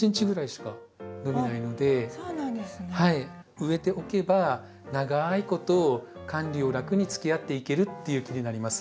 植えておけば長いこと管理を楽につきあっていけるっていう木になります。